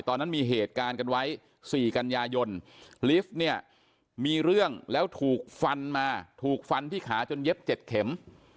ตอนนั้นมีเหตุการณ์กันไว้๔กันยายนลิฟต์เนี่ยมีเรื่องแล้วถูกฟันมาถูกฟันที่ขาจนเย็บ๗เข็ม